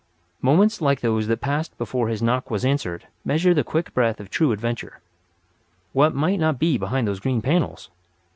Moments like those that passed before his knock was answered measure the quick breath of true adventure. What might not be behind those green panels!